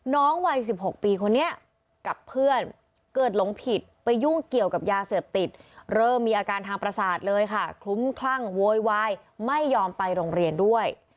น้องวัย๑๖ปีคนนี้กับเพื่อนเกิดหลงผิดไปยุ่งเกี่ยวกับยาเสพติดเริ่มมีอาการทางประสาทเลยค่ะคลุ้มคลั่งโวยวายไม่ยอมไปโรงเรียนด้วย